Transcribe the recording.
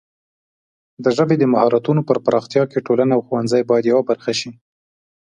د ژبې د مهارتونو پر پراختیا کې ټولنه او ښوونځي باید یوه برخه شي.